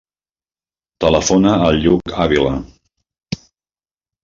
Telefona al Lluc Avila.